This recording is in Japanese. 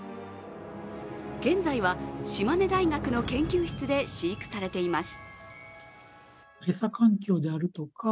現在は島根大学の研究室で飼育されています。